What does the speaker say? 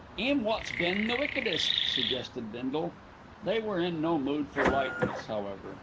"'Im wot's been the wickedest," suggested Bindle. They were in no mood for lightness, however.